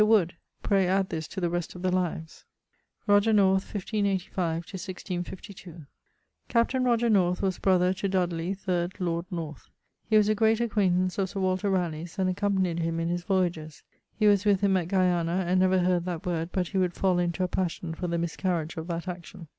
Wood! pray add this to the rest of the lives. =Roger North= (1585? 1652). Captain Roger North was brother to lord North. He was a great acquaintance of Sir Walter Ralegh's and accompanied him in his voyages. He was with him at Guiana, and never heard that word but he would fall into a passion for the miscariage of that action.